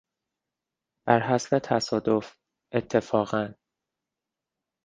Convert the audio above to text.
برحسب تصادف، اتفاقا